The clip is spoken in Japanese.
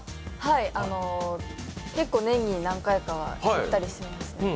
結構、年に何回かは行ったりしますね。